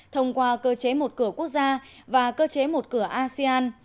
thông qua cơ chế một cửa quốc gia và cơ chế một cửa asean